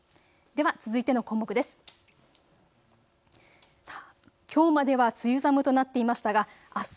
では続いての項目です。